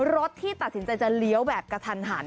รถที่ตัดสินใจจะเลี้ยวแบบกระทันหัน